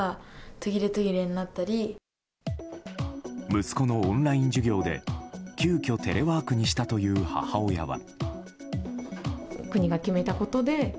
息子のオンライン授業で急きょテレワークにしたという母親は。